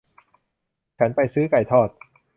ฉันไปซื้อไก่ทอด